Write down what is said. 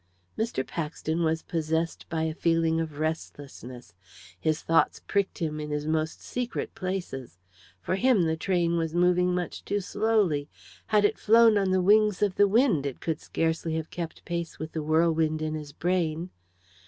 Mr. Paxton was possessed by a feeling of restlessness; his thoughts pricked him in his most secret places. For him, the train was moving much too slowly; had it flown on the wings of the wind it could scarcely have kept pace with the whirlwind in his brain.